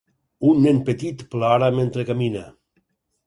Un nen petit plora mentre camina.